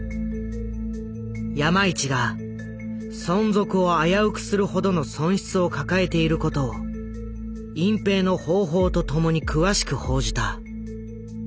山一が存続を危うくするほどの損失を抱えていることを隠蔽の方法とともに詳しく報じた。